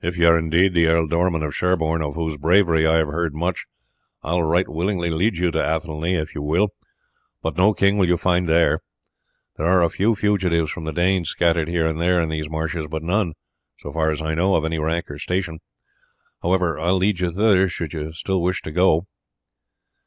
"If ye are indeed the Ealdorman of Sherborne, of whose bravery I have heard much, I will right willingly lead you to Athelney if you will, but no king will you find there. There are a few fugitives from the Danes scattered here and there in these marshes, but none, so far as I know, of any rank or station. However, I will lead you thither should you still wish to go."